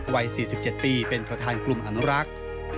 วัย๔๗ปีเป็นประธานกลุ่มอนุรักษ์